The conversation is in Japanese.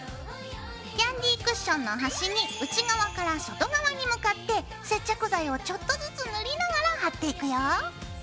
キャンディークッションの端に内側から外側に向かって接着剤をちょっとずつ塗りながら貼っていくよ。